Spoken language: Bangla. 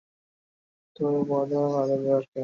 তোরা তাতে বাদা দেওয়ার কে?